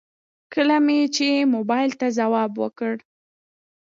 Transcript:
کله مې چې موبايل ته ځواب وکړ.